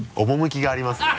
趣がありますね。